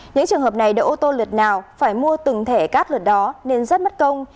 những trường hợp này đậu ô tô lượt nào phải mua từng thẻ cát lượt đó nên rất mất công